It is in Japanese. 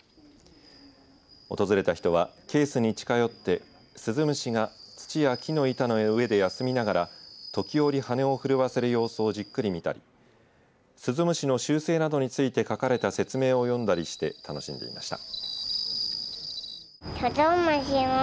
訪れた人はケースに近寄ってスズムシが土や木の板の上で休みながら時折、羽を震わせる様子をじっくり見たりスズムシの習性などについて書かれた説明を読んだりして楽しんでいました。